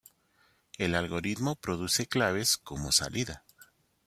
El algoritmo produce claves como salida.